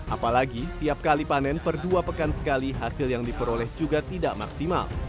apalagi tiap kali panen per dua pekan sekali hasil yang diperoleh juga tidak maksimal